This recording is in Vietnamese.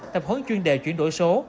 tập hướng chuyên đề chuyển đổi số